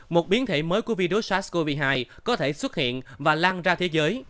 một biến thể mới của virus sars cov hai có thể xuất hiện và lan ra thế giới